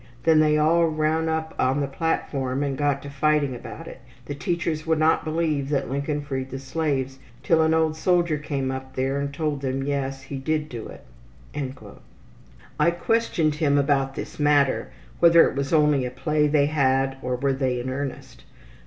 Then they all run up on the platform and got to fighting about it. The teachers would not believe that Lincoln freed the slaves till an old soldier came up there and told them yes, he did do it.'' I questioned him about this matter whether it was only a play they had, or were they in earnest.